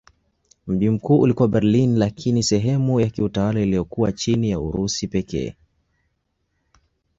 Mji mkuu ulikuwa Berlin lakini sehemu ya kiutawala iliyokuwa chini ya Urusi pekee.